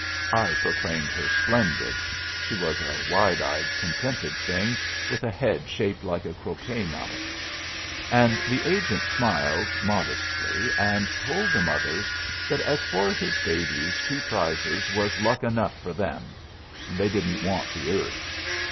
I proclaimed her splendid (she was a wide eyed, contented thing, with a head shaped like a croquet mallet), and the agent smiled modestly and told the mothers that as for his babies two prizes was luck enough for them; they didn't want the earth.